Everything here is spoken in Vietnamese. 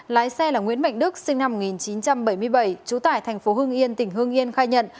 lái xe là nguyễn mạnh đức sinh năm một nghìn chín trăm bảy mươi bảy trú tại thành phố hưng yên tỉnh hương yên khai nhận